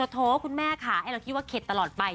โถคุณแม่ค่ะให้เราคิดว่าเข็ดตลอดไป